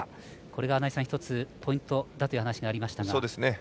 これが１つポイントだという話がありましたが。